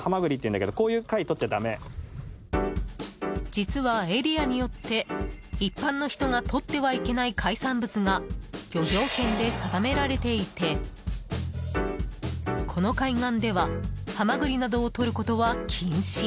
実はエリアによって一般の人が取ってはいけない海産物が漁業権で定められていてこの海岸ではハマグリなどをとることは禁止。